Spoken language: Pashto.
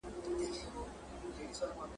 ایوب خان کندهار کلابند کړی دئ.